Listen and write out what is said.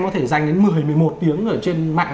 có thể dành đến một mươi một mươi một tiếng ở trên mạng